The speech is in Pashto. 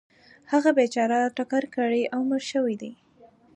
هغه بیچاره ټکر کړی او مړ شوی دی .